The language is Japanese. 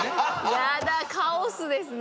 やだカオスですね